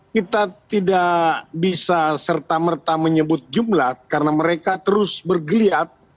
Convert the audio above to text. kita tidak bisa serta merta menyebut jumlah karena mereka terus bergeliat